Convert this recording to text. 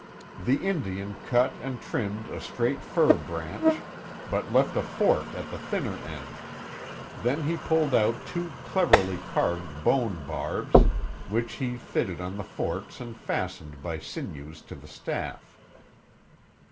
The Indian cut and trimmed a straight fir branch, but left a fork at the thinner end. Then he pulled out two cleverly carved bone barbs, which he fitted on the forks and fastened by sinews to the staff.